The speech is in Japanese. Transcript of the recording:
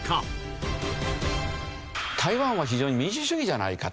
台湾は非常に民主主義じゃないかと。